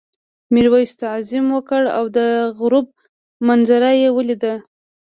میرويس تعظیم وکړ او د غروب منظره یې ولیده.